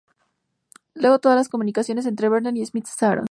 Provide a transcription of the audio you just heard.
Luego, todas las comunicaciones entre Vernet y Smith cesaron.